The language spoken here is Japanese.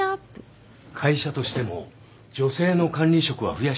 会社としても女性の管理職は増やしたいみたいで。